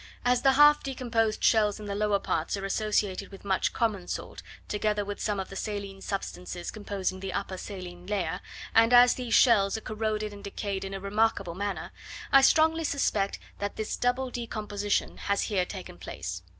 As the half decomposed shells in the lower parts are associated with much common salt, together with some of the saline substances composing the upper saline layer, and as these shells are corroded and decayed in a remarkable manner, I strongly suspect that this double decomposition has here taken place.